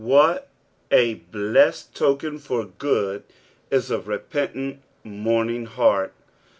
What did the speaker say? What a blessed token for good is a repentant, mourning heart